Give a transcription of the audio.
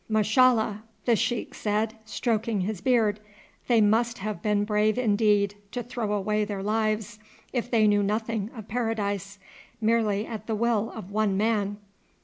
"Mashallah!" the sheik said, stroking his beard, "they must have been brave indeed to throw away their lives if they knew nothing of paradise, merely at the will of one man.